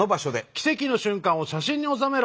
奇跡の瞬間を写真に収めろ。